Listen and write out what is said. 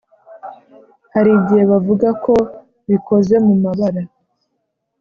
hari igihe bavuga ko bikoze mu mabara